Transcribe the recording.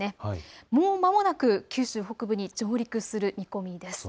もうまもなく九州北部に上陸する見込みです。